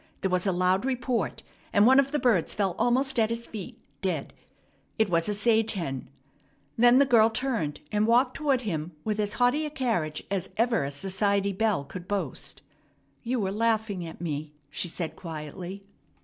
There was a loud report, and one of the birds fell almost at his feet, dead. It was a sage hen. Then the girl turned and walked towards him with as haughty a carriage as ever a society belle could boast. "You were laughing at me," she said quietly.